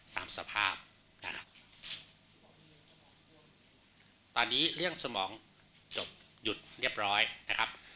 ตามสภาพนะฮะตอนนี้เรื่องสมองจบหยุดเรียบร้อยนะครับ